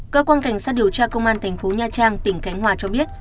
cơ quan cảnh sát điều tra công an thành phố nha trang